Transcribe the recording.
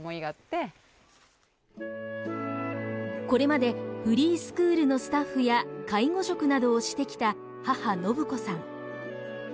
これまでフリースクールのスタッフや介護職などをしてきた母信子さん。